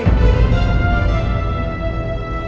kalian cepat robohkan